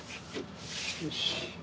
よし。